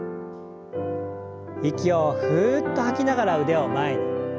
息をふっと吐きながら腕を前に。